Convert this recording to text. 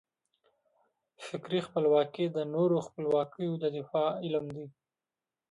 فکري خپلواکي د نورو خپلواکیو د دفاع علم دی.